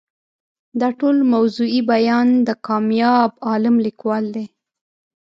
دا ټول موضوعي بیان د کامیاب کالم لیکوال دی.